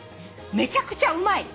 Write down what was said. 「めちゃくちゃうまい！